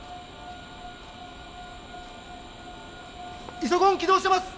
イソコン起動してます！